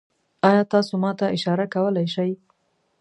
ایا تاسو ما ته اشاره کولی شئ؟